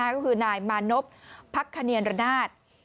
ก็คือนายมานพพักขเนียนระนาด